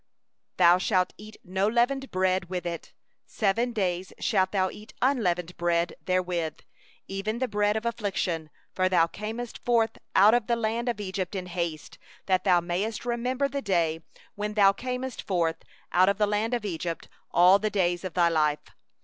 3Thou shalt eat no leavened bread with it; seven days shalt thou eat unleavened bread 16 therewith, even the bread of affliction; for in haste didst thou come forth out of the land of Egypt; that thou mayest remember the day when thou camest forth out of the land of Egypt all the days of thy life.